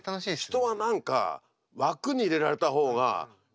人は何か枠に入れられた方が喜びがあるね。